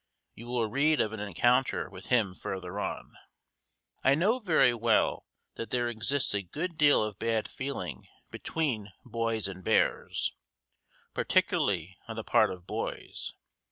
You will read of an encounter with him further on. I know very well that there exists a good deal of bad feeling between boys and bears, particularly on the part of boys.